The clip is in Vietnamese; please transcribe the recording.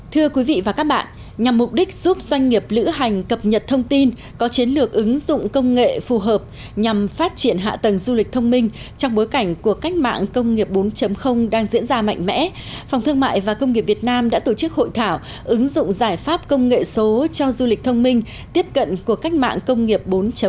thưa quý vị và các bạn nhằm mục đích giúp doanh nghiệp lữ hành cập nhật thông tin có chiến lược ứng dụng công nghệ phù hợp nhằm phát triển hạ tầng du lịch thông minh trong bối cảnh của cách mạng công nghiệp bốn đang diễn ra mạnh mẽ phòng thương mại và công nghiệp việt nam đã tổ chức hội thảo ứng dụng giải pháp công nghệ số cho du lịch thông minh tiếp cận của cách mạng công nghiệp bốn